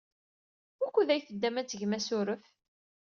Wukud ay teddam ad tgem asurf?